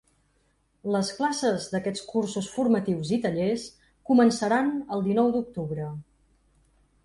Les classes d’aquests cursos formatius i tallers començaran el dinou d’octubre.